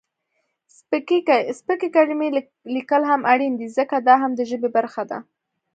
سپکې کلمې لیکل هم اړین دي ځکه، دا هم د ژبې برخه ده.